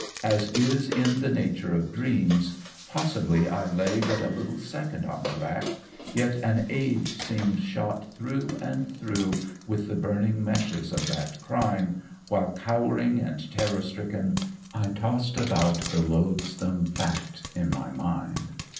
As is in the nature of dreams, possibly I lay but a little second on the rack, yet an age seemed shot through and through with the burning meshes of that crime, while, cowering and terror stricken, I tossed about the loathsome fact in my mind.